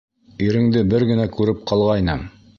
Иреңде бер генә күреп ҡалғайным.